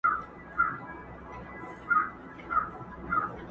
هغه ورځ به پر دې قام باندي رڼا سي.!